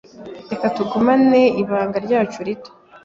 Reka tugumane ibanga ryacu rito.